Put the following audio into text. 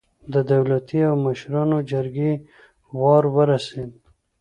د دولتي او مشرانو جرګې وار راورسېد.